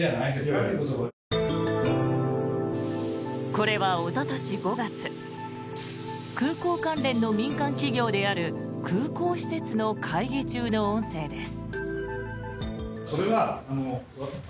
これはおととし５月空港関連の民間企業である空港施設の会議中の音声です。